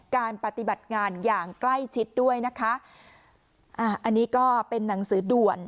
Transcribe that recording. การปฏิบัติงานอย่างใกล้ชิดด้วยนะคะอ่าอันนี้ก็เป็นหนังสือด่วน